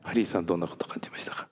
どんなこと感じましたか？